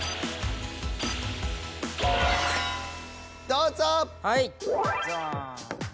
どうぞ。